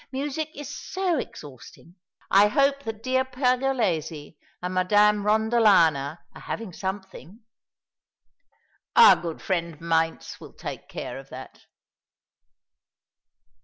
Music is so exhausting. I hope that dear Pergolesi and Madame Rondolana are having something." "Our good friend Mainz will take care of that."